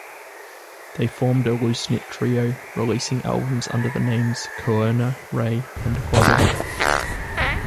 They formed a loose-knit trio, releasing albums under the name Koerner, Ray and Glover.